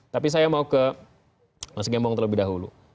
tapi saya mau ke mas gembong terlebih dahulu